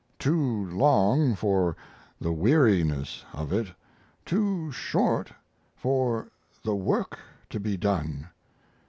Too long for the weariness of it; too short for the work to be done.